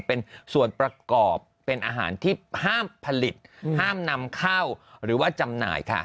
เป็นส่วนประกอบเป็นอาหารที่ห้ามผลิตห้ามนำเข้าหรือว่าจำหน่ายค่ะ